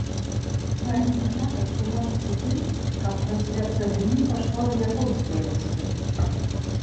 Ранні пачатак тлумачыцца тым, каб трансляцыя гульні пайшла на японскія выспы.